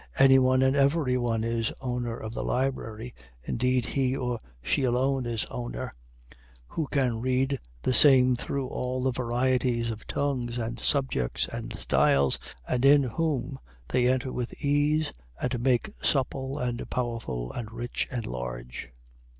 Anyone and everyone is owner of the library, (indeed he or she alone is owner,) who can read the same through all the varieties of tongues and subjects and styles, and in whom they enter with ease, and make supple and powerful and rich and large.